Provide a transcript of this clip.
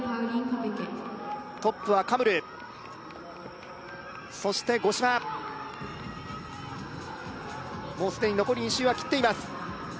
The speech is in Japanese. トップはカムルそして五島もうすでに残り２周は切っています